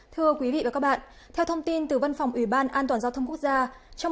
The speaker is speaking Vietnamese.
thưa quý vị và các bạn theo thông tin từ văn phòng ủy ban an toàn giao thông quốc gia